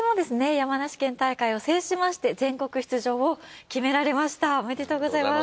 山梨県大会を制しまして全国出場を決められましたおめでとうございます。